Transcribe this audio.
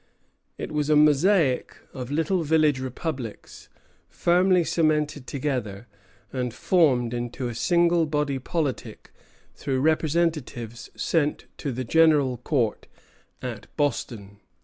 It was a mosaic of little village republics, firmly cemented together, and formed into a single body politic through representatives sent to the "General Court" at Boston.